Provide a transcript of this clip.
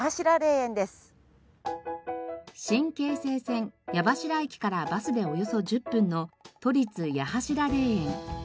新京成線八柱駅からバスでおよそ１０分の都立八柱霊園。